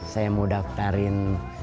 saya mau daftarin